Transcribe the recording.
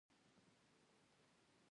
ولې ډیناسورونه له منځه لاړل؟